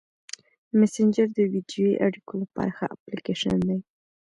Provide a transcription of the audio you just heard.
مسېنجر د ویډیويي اړیکو لپاره ښه اپلیکیشن دی.